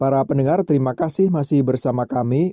para pendengar terima kasih masih bersama kami